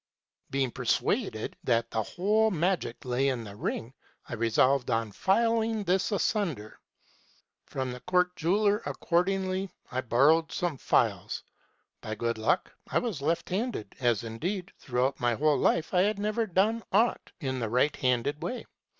" Being persuaded that the whole magic lay in the ring, I resolved on filing this asunder. From the court jeweller, accordingly, I borrowed some files. By good luck I was left handed ; as, indeed, throughout my whole life I had never done aught in the right handed way.